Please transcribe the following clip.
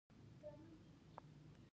د پښتو منظم لومړنی چاپي کتاب دﺉ.